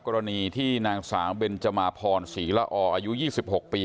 กรณีที่นางสาวเบนจมาพรศรีละออายุ๒๖ปี